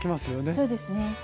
そうですね。